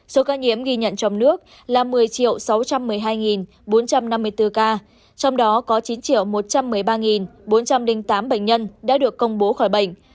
số ca nhiễm ghi nhận trong nước là một mươi sáu trăm một mươi hai bốn trăm năm mươi bốn ca trong đó có chín một trăm một mươi ba bốn trăm linh tám bệnh nhân đã được công bố khỏi bệnh